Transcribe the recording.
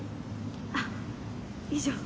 あっ以上。